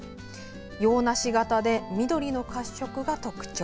洋梨形で緑の褐色が特徴。